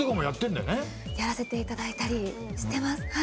やらせていただいたりしてます。